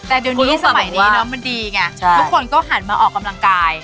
แต่เดี๋ยวนี้สมัยนี้มันดีไงทุกคนก็หันมาออกกำลังกาย